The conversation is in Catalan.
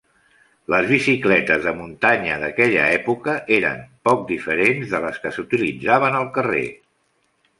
Les bicicletes de muntanya d'aquella època eren poc diferents de les que s'utilitzaven al carrer.